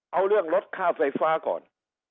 เอาเรื่องลดค่าไฟฟ้าก่อน